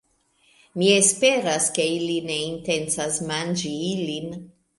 Mi esperas, ke ili ne intencas manĝi ilin